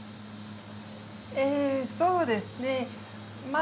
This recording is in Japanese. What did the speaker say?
そうですね